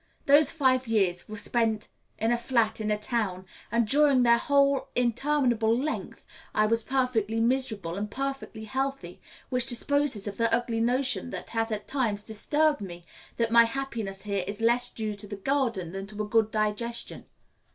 Those five years were spent in a flat in a town, and during their whole interminable length I was perfectly miserable and perfectly healthy, which disposes of the ugly notion that has at times disturbed me that my happiness here is less due to the garden than to a good digestion.